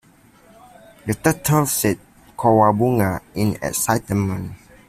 The turtles said "cowabunga" in excitement.